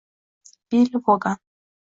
Bill Vogan